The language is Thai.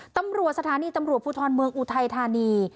ตำรวจสถานีตำรวจภูทรเมืองอุทัยธานี